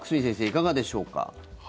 いかがでしょうか。